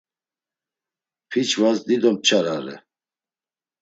Piçvas dido p̌ç̌arare.